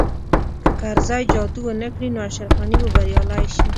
که کرزی جادو ونه کړي نو اشرف غني به بریالی شي